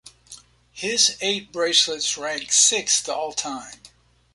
His eight bracelets rank sixth all-time.